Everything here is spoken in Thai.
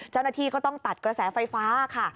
เจ้าหน้าที่ก็ต้องตัดกระแสไฟฟ้าค่ะ